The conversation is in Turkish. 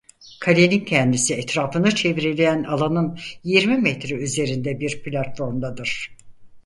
Kalenin kendisi etrafını çevreleyen alanın yirmi metre üzerinde bir platformdadır.